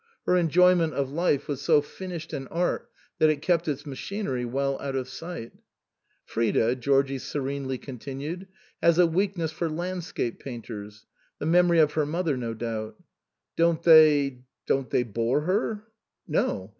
Her enjoyment of life was so finished an art that it kept its machinery well out of sight. " Frida," Georgie serenely continued, " has a weakness for landscape painters. The memory of her mother no doubt." " Don't they don't they bore her ?" "No.